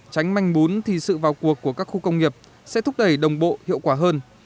tránh manh bún thì sự vào cuộc của các khu công nghiệp sẽ thúc đẩy đồng bộ hiệu quả hơn